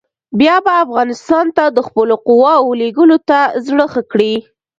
بیا به افغانستان ته د خپلو قواوو لېږلو ته زړه ښه کړي.